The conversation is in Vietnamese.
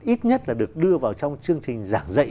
ít nhất là được đưa vào trong chương trình giảng dạy